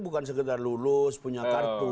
bukan sekedar lulus punya kartu